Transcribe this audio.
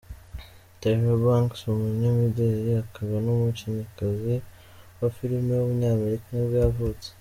Tyra Banks, umunyamideli, akaba n’umukinnyikazi wa filime w’umunyamerika nibwo yavutse.